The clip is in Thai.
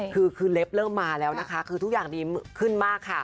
คือคือเล็บเริ่มมาแล้วนะคะคือทุกอย่างดีขึ้นมากค่ะ